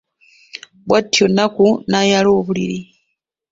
Bw'atyo Nakku n'ayala obuliri.